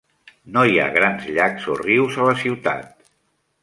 No hi ha grans llacs o rius a la ciutat.